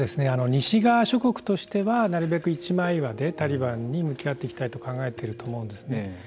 西側諸国としてはなるべく一枚岩でタリバンに向き合っていきたいと考えていると思うんですね。